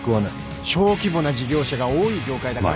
小規模な事業者が多い業界だからこそ。